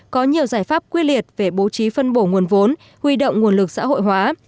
có nhiều giải pháp quy liệt về bố trí phân bổ nguồn vốn huy động nguồn lực xã hội hóa